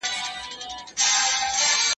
شپږ منفي دوه؛ څلور پاته کېږي.